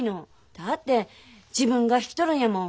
だって自分が引き取るんやもん